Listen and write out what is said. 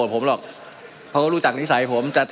มันมีมาต่อเนื่องมีเหตุการณ์ที่ไม่เคยเกิดขึ้น